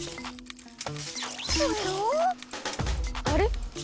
あれ？